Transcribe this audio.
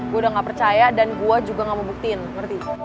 gue udah nggak percaya dan gue juga nggak mau buktiin ngerti